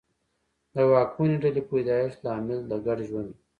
د واکمنې ډلې پیدایښت لامل د ګډ ژوند و